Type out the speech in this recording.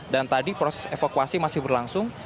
dan tadi proses evakuasi masih berlangsung